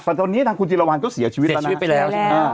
แต่ตอนนี้ทางคุณจิรวรรณก็เสียชีวิตแล้วชีวิตไปแล้วใช่ไหม